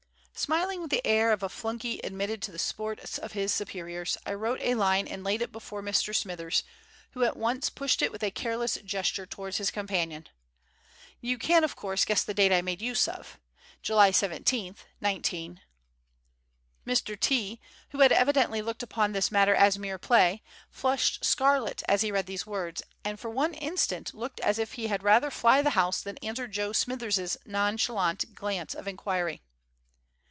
Smiling with the air of a flunkey admitted to the sports of his superiors, I wrote a line and laid it before Mr. Smithers, who at once pushed it with a careless gesture towards his companion. You can of course guess the date I made use of: July 17, 19 . Mr. T , who had evidently looked upon this matter as mere play, flushed scarlet as he read these words, and for one instant looked as if he had rather fly the house than answer Joe Smithers's nonchalant glance of inquiry.